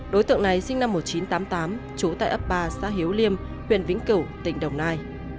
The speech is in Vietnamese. đối tượng này sinh năm một nghìn chín trăm tám mươi tám trú tại ấp ba xã hiếu liêm huyện vĩnh cửu tỉnh đồng nai